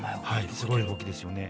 すごい動きですよね。